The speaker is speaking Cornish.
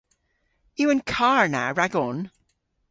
Yw an karr na ragon?